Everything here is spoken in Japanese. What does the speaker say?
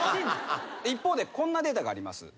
一方でこんなデータがあります。